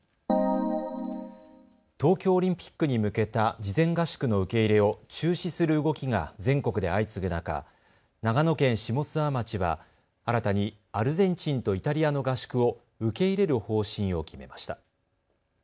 東京オリンピックに向けた事前合宿の受け入れを中止する動きが全国で相次ぐ中、長野県下諏訪町は新たにアルゼンチンとイタリアの合宿を受け入れる方針を決めました。